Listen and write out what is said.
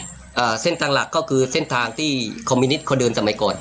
อ่าเส้นทางหลักก็คือเส้นทางที่คอมมินิตเขาเดินสมัยก่อน